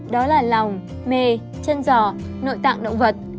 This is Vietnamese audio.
đó là lòng mê chân giò nội tạng động vật